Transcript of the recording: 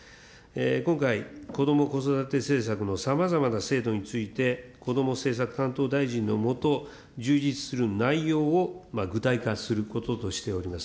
今回、こども・子育て政策のさまざまな制度について、こども政策担当大臣の下、充実する内容を具体化することとしております。